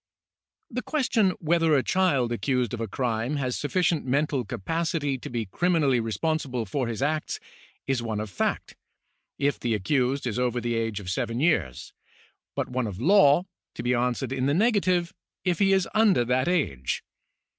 The question whether a child accused of crime has sufficient mental capacity to be criminally responsible for his acts, is one of fact, if the accused is over the age of seven years, but one of law (to be answered in the negative) if he is under that age.